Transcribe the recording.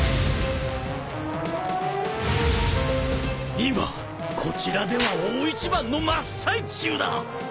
今こちらでは大一番の真っ最中だ。